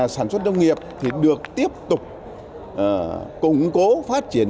sản xuất nông nghiệp được tiếp tục cung cố phát triển